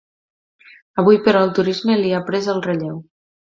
Avui, però, el turisme l'hi ha pres el relleu.